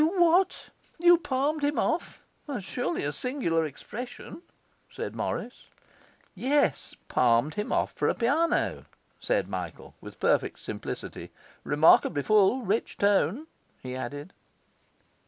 'You what? You palmed him off? That's surely a singular expression,' said Morris. 'Yes, palmed him off for a piano,' said Michael with perfect simplicity. 'Remarkably full, rich tone,' he added.